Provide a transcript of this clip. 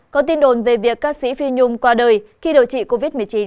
có tin đồn về việc ca sĩ phi nhung qua đời khi điều trị covid một mươi chín